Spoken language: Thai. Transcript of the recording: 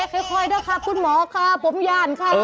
เฮ่ยค่อยได้ครับคุณหมอคะผมย่านค่ะครับ